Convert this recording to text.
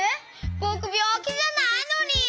ぼくびょうきじゃないのに！